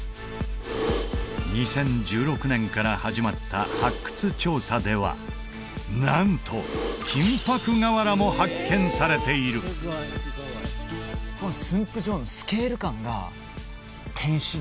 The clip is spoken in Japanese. ２０１６年から始まった発掘調査ではなんと金箔瓦も発見されているその声は！